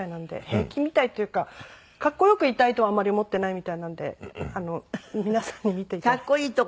平気みたいっていうかかっこよくいたいとはあまり思っていないみたいなんで皆さんに見て頂いて。